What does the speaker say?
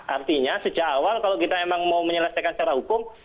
artinya sejak awal kalau kita memang mau menyelesaikan secara hukum